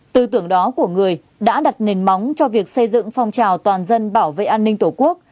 tư tưởng đó của người đã đặt nền móng cho việc xây dựng phong trào toàn dân bảo vệ an ninh tổ quốc